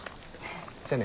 じゃあね。